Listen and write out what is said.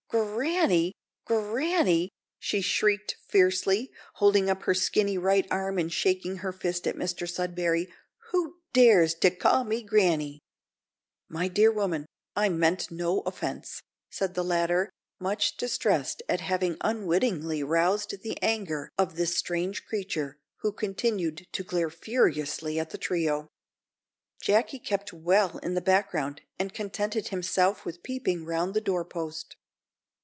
"Granny! granny!" she shrieked fiercely, holding up her skinny right arm and shaking her fist at Mr Sudberry, "who dares to ca' me granny?" "My dear woman, I meant no offence," said the latter, much distressed at having unwittingly roused the anger of this strange creature, who continued to glare furiously at the trio. Jacky kept well in the background, and contented himself with peeping round the door post.